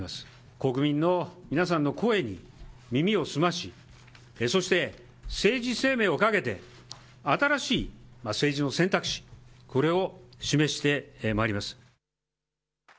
国民の皆さんの声に耳を澄まし、そして政治生命をかけて、新しい政治の選択肢、これを示してまいります。